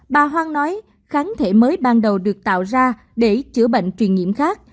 bà hoang nói kháng thể mới ban đầu được tạo ra để chữa bệnh truyền nhiễm khác